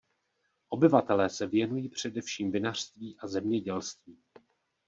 Obyvatelé se věnují především vinařství a zemědělství.